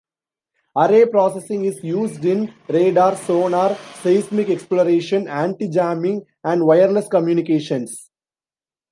Array processing is used in radar, sonar, seismic exploration, anti-jamming and wireless communications.